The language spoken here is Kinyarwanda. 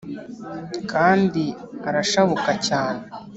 kandi arashabuka cyane